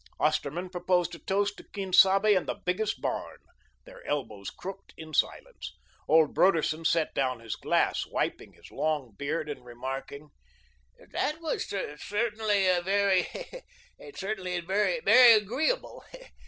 Osterman proposed a toast to Quien Sabe and the Biggest Barn. Their elbows crooked in silence. Old Broderson set down his glass, wiping his long beard and remarking: "That that certainly is very very agreeable.